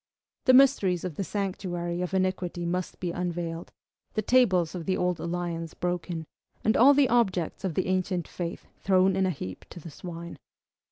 The mysteries of the sanctuary of iniquity must be unveiled, the tables of the old alliance broken, and all the objects of the ancient faith thrown in a heap to the swine.